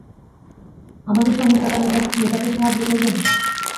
আমাদের সমস্যাটা মেটাতে সাহায্য করবে?